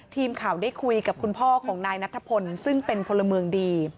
ทีมข่าวได้คุยกับคุณพ่อของนายนัทพลซึ่งเป็นพลเมืองดี